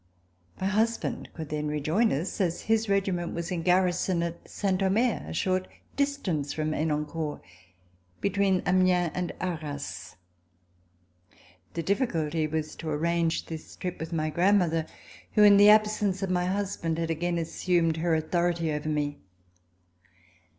My husband could then rejoin us, as his regiment was in garrison at Saint Omer, a short distance from Henencourt, between Amiens and Arras. The difficulty was to arrange this trip with my grandmother, who, in the absence of my husband, had again assumed her authority over me.